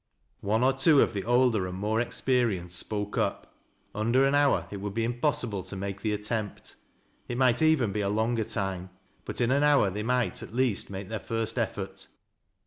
One or two of tlie older and more experienced spoke up. Under an hour it would be impossible to make the attempt —it might even be a longer time, but in an hour they might, at least, make their first effort.